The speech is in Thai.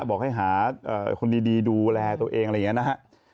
บอกให้หาคนดีดูแลตัวเองอะไรอย่างนี้นะฮะ